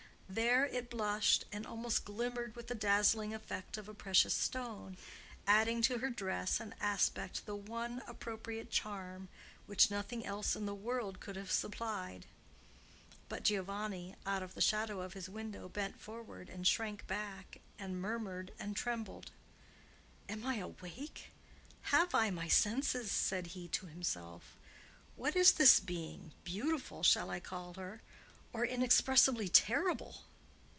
There it blushed, and almost glimmered with the dazzling effect of a precious stone, adding to her dress and aspect the one appropriate charm which nothing else in the world could have supplied. But Giovanni, out of the shadow of his window, bent forward and shrank back, and murmured and trembled. "Am I awake? Have I my senses?" said he to himself. "What is this being? Beautiful shall I call her, or inexpressibly terrible?"